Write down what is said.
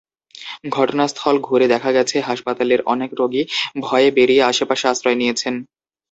ঘটনাস্থল ঘুরে দেখা গেছে, হাসপাতালের অনেক রোগী ভয়ে বেরিয়ে আশপাশে আশ্রয় নিয়েছেন।